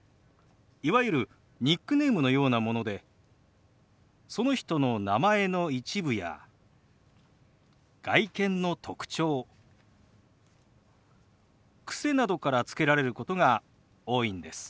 いわゆるニックネームのようなものでその人の名前の一部や外見の特徴癖などからつけられることが多いんです。